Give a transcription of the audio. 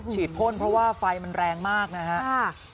ฉีดพ่นเพราะว่าไฟมันแรงมากนะครับ